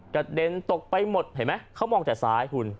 กระเด็นตกไปหมดเห็นไหมเขามองแต่ซ้ายคุณ